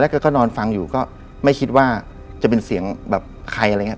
แล้วก็นอนฟังอยู่ก็ไม่คิดว่าจะเป็นเสียงแบบใครอะไรอย่างนี้